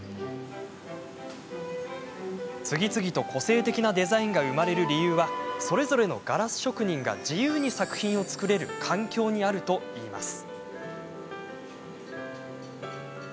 次々と個性的なデザインが生まれる理由はそれぞれのガラス職人が自由に作品を作れる環境にあるといいます。